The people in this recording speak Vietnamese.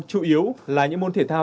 chủ yếu là những môn thể thao